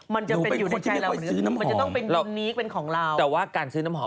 มึงเป็นคนที่ไม่ค่อยซื้อน้ำหอม